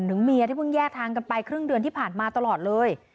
เมียที่เพิ่งแยกทางกันไปครึ่งเดือนที่ผ่านมาตลอดเลย